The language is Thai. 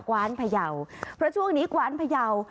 ว้านพยาวเพราะช่วงนี้กว้านพยาว